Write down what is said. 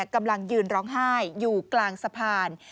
กำลังยืนร้องไห้อยู่กลางสะพาน